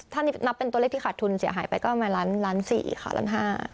ถ้านี้นับเป็นตัวเลขที่ขาดทุนเสียหายไปก็มาล้าน๔ค่ะล้าน๕